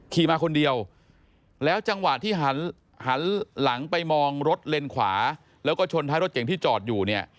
ขี่มาคนเดียวแล้วจังหวะที่หันหันหลังไปมองรถเลนขวาแล้วก็ชนท้ายรถเก่งที่จอดอยู่เนี่ย